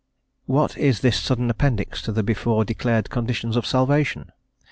_" What is this sudden appendix to the before declared conditions of salvation?